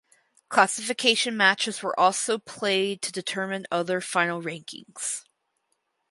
Classification matches were also played to determine other final rankings.